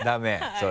それ。